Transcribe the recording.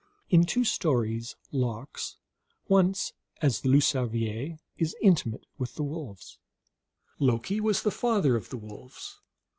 In two stories Lox (once as the loup cervier) is in timate with the wolves. Loki was the father of the wolves.